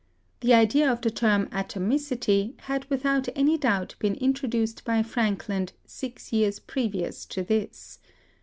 The idea of the term "atomicity" had without any doubt been introduced by Frankland six years previous to this.